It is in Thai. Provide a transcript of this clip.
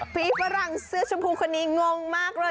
ฝีฝรั่งเสื้อชมพูคนนี้งงมากเลย